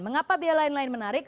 mengapa biaya lain lain menarik